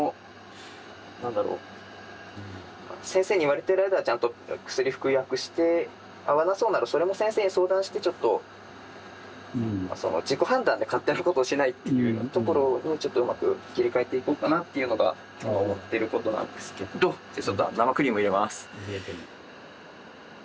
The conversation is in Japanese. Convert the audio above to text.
先生に言われてる間はちゃんと薬服薬して合わなそうならそれも先生に相談してちょっと自己判断で勝手なことをしないっていうところをちょっとうまく切り替えていこうかなっていうのが今思ってることなんですけどちょっと生クリーム入れます。